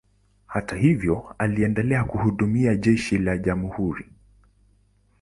Hata hivyo, aliendelea kuhudumia jeshi la jamhuri.